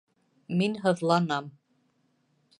Мин һыҙланам.